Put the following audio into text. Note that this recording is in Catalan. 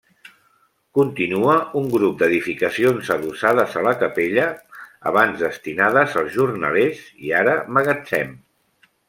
Continua un grup d'edificacions adossades a la capella, abans destinades als jornalers i ara, magatzem.